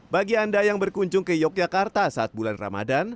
bagi anda yang berkunjung ke yogyakarta saat bulan ramadan